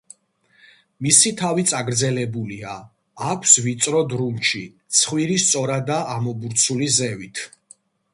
მისი თავი წაგრძელებულია, აქვს ვიწრო დრუნჩი, ცხვირი სწორადაა ამობურცული ზევით.